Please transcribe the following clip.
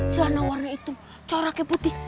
celana warna hitam coraknya putih